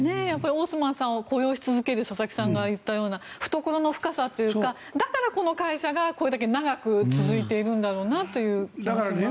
オースマンさんを雇用し続ける佐々木さんが言ったような懐の深さというかだから、この会社がこれだけ長く続いているんだろうなという気がしますね。